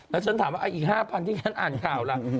แล้วฉันถามว่าอีก๕๐๐ที่ฉันอ่านข่าวล่ะ